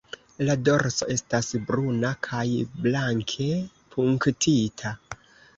La dorso estas bruna kaj blanke punktita.